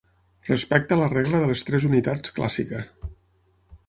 Respecta la regla de les tres unitats clàssica.